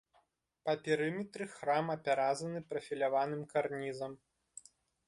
Па перыметры храм апяразаны прафіляваным карнізам.